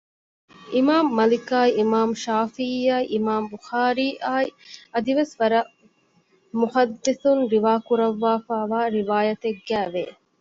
އިމާމު މާލިކާއި އިމާމު ޝާފިޢީއާއި އިމާމު ބުޚާރީއާއި އަދިވެސް ވަރަށް މުޙައްދިޘުން ރިވާކުރަށްވާފައިވާ ރިވާޔަތެއްގައި ވެ